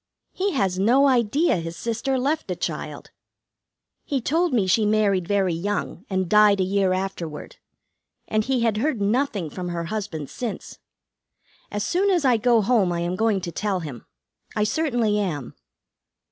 "He has no idea his sister left a child. He told me she married very young, and died a year afterward; and he had heard nothing from her husband since. As soon as I go home I am going to tell him. I certainly am."